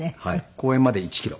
公園まで１キロ。